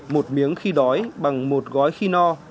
một miếng khi đói bằng một gói khi no